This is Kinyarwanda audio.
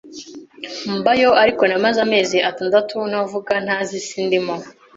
mbayo ariko namaze amezi atandatu ntavuga ntazi isi ndimo